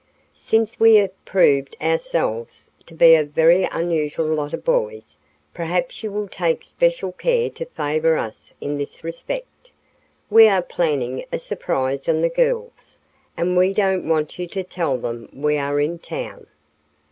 Since we have proved ourselves to be a very unusual lot of boys, perhaps you will take special care to favor us in this respect. We are planning a surprise on the girls, and we don't want you to tell them we are in town."